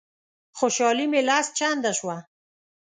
خوشالي مي لس چنده شوه.